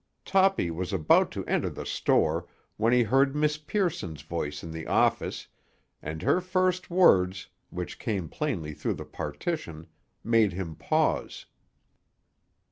Toppy was about to enter the store, when he heard Miss Pearson's voice in the office, and her first words, which came plainly through the partition, made him pause.